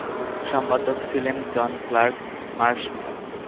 সম্পাদক ছিলেন John Clark Marshman.